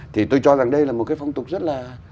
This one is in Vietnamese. thì tôi cho rằng đây là một cái phong tục rất là